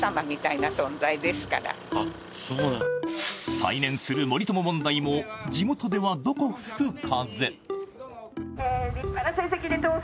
再燃する森友問題も地元ではどこ吹く風。